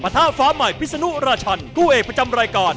ท่าฟ้าใหม่พิศนุราชันคู่เอกประจำรายการ